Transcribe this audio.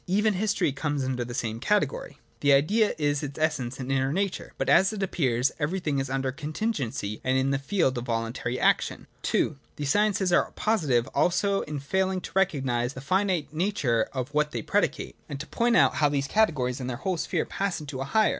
Even history comes under the same category. The Idea is its essence and inner nature ; but, as it appears, every thing is under contingency and in the field of voluntary action. (II) These sciences are positive also in failing to recognise the finite nature of what they predicate, and to point out how these categories and their whole sphere pass into a higher.